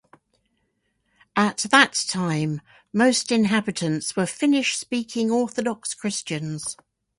At that time, most inhabitants were Finnish-speaking Orthodox Christians.